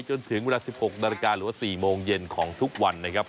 จนถึงเวลา๑๖นาฬิกาหรือว่า๔โมงเย็นของทุกวันนะครับ